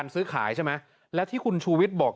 ซื้อขายใช่ไหมแล้วที่คุณชูวิทย์บอก